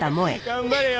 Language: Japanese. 頑張れよ！